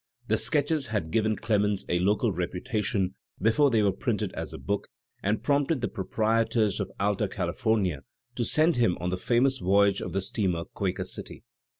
The sketches had given Clemens a local repu tation before they were printed as a book, and prompted the proprietors of the AUa Calif omia to send him on the famous voyage of the steamer Quaker City.